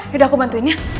yaudah aku bantuin ya